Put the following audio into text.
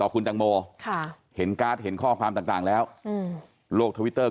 หลายคนก็เห็นการมาแสดงความอะไรของคุณกระติก